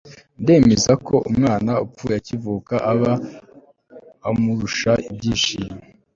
ndemeza ko umwana upfuye akivuka aba amurusha ibyishimo